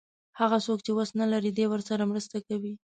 هغه څوک چې وس نه لري دی ورسره مرسته کوي.